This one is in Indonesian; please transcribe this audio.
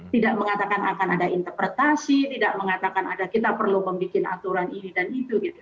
tidak mengatakan akan ada interpretasi tidak mengatakan ada kita perlu membuat aturan ini dan itu gitu